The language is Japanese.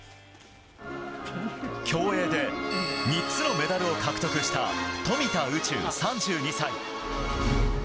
競泳で３つのメダルを獲得した富田宇宙、３２歳。